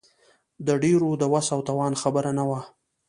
د ډېرو د وس او توان خبره نه وه.